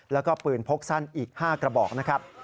แล้วก็ปืนพกสั้นอีก๕กระบอกนะครับ